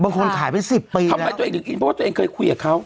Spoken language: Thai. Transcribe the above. ขายเป็นสิบปีทำไมตัวเองถึงอินเพราะว่าตัวเองเคยคุยกับเขา